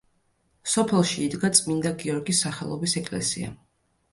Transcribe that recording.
სოფელში იდგა წმინდა გიორგის სახელობის ეკლესია.